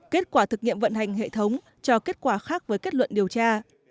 kết quả thực nghiệm vận hành hệ thống cho kết quả khác với kết luận điều tra